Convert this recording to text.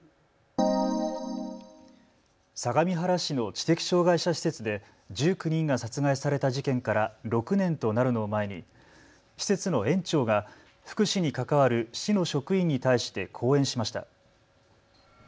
相模原市の知的障害者施設で１９人が殺害された事件から６年となるのを前に施設の園長が福祉に関わる市の職員に対して講演しました。